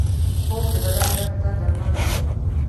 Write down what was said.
خوب د بدن درد ته درمل دی